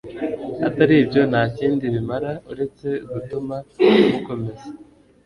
atari byo nta kindi bimara uretse gutuma mukomeza